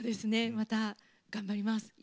また、頑張ります。